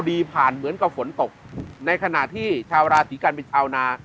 ดีผ่านเหมือนกับฝนตกในขณะที่ชาวราศีกันเป็นชาวนา